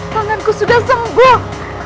panganku sudah sembuh